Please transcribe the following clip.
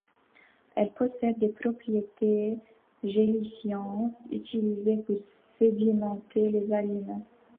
Elle possède des propriétés gélifiantes utilisées pour sédimenter les aliments.